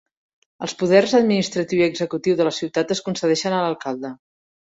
Els poders administratiu i executiu de la ciutat es concedeixen a l'alcalde.